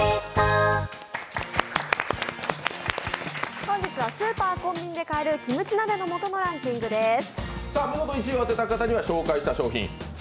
本日はスーパー、コンビニで買えるキムチ鍋の素ランキングです。